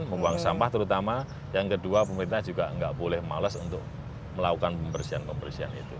membuang sampah terutama yang kedua pemerintah juga nggak boleh males untuk melakukan pembersihan pembersihan itu